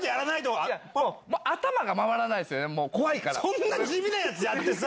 そんな地味なやつやってさ。